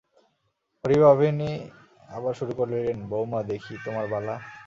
হরিভাবিনী আবার শুরু করিলেন, বউমা, দেখি তোমার বালা।